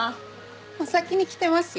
お先に来てますよ。